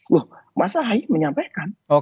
wah masa haik menyampaikan